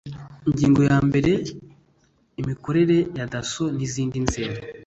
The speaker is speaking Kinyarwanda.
ingingo ya mbere imikoranire ya dasso n izindi nzego